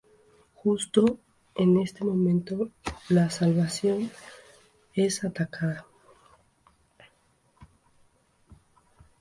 Justo en ese momento, "la Salvation" es atacada.